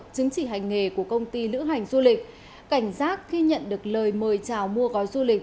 chứng chỉ hành nghề của công ty lữ hành du lịch cảnh giác khi nhận được lời mời chào mua gói du lịch